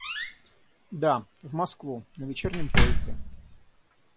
Да, в Москву, на вечернем поезде.